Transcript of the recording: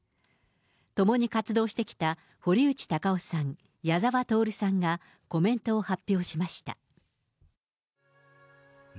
共に活動してきた堀内孝雄さん、矢沢透さんが、コメントを発表しました。